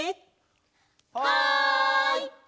はい！